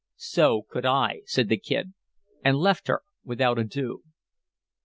"So could I," said the Kid, and left her without adieu.